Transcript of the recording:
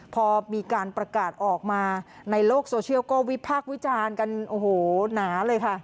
พอมีการประกาศออกมาในโลกโซเชียลก็วิพากษ์วิจารณ์กันโอ้โหหนาเลยค่ะ